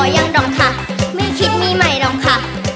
ยังดอกค่ะไม่คิดมีใหม่หรอกค่ะ